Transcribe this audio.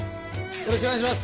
よろしくお願いします。